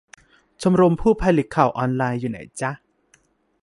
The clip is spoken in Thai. ชมรมผู้ผลิตข่าวออนไลน์ อยู่ไหนจ๊ะ ?